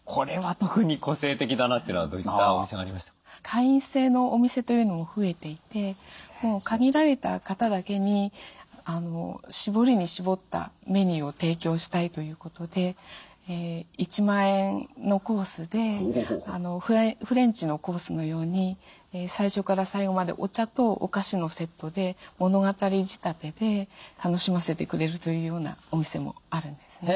会員制のお店というのも増えていてもう限られた方だけに絞りに絞ったメニューを提供したいということで１万円のコースでフレンチのコースのように最初から最後までお茶とお菓子のセットで物語仕立てで楽しませてくれるというようなお店もあるんですね。